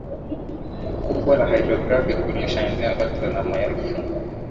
kubwa la hydrographic hulisha eneo lote na maelfu